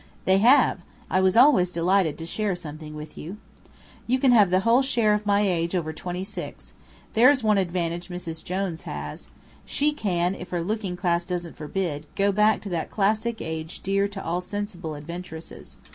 "They have. I was always delighted to share something with you." "You can have the whole share of my age over twenty six. There's one advantage 'Mrs. Jones' has. She can, if her looking glass doesn't forbid, go back to that classic age dear to all sensible adventuresses.